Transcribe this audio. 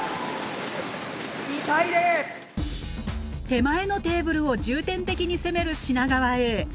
手前のテーブルを重点的に攻める品川Ａ